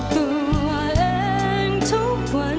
ตัวเองทุกวัน